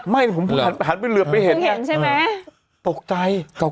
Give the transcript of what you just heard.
ไม่ผมพึ่งหันไปเห็นพึ่งเห็นใช่ไหมตกใจ